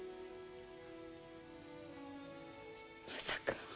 まさか。